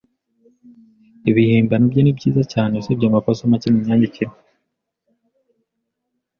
Ibihimbano bye nibyiza cyane usibye amakosa make mumyandikire.